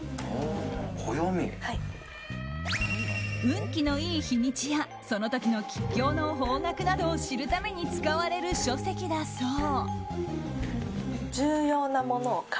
運気のいい日にちやその時の吉凶の方角などを知るために使われる書籍だそう。